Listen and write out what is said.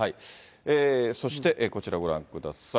そして、こちらご覧ください。